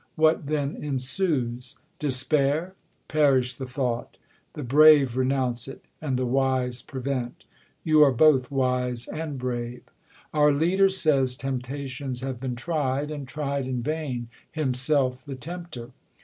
What then ensues? Despair? Perish the thought T The brave renounce it, and the wise prevent ; You are both wise and brave, Our leader sayg Temptations have been tried, and tried in vam, Himself the tempter.